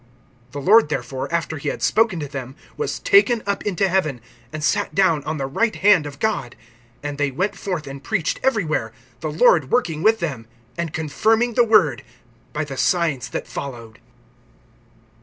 (19)The Lord therefore, after he had spoken to them, was taken up into heaven, and sat down on the right hand of God; (20)and they went forth, and preached everywhere, the Lord working with them, and confirming the word by the signs that followed.